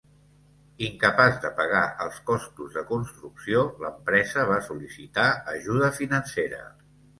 Incapaç de pagar els costos de construcció, l'empresa va sol·licitar ajuda financera.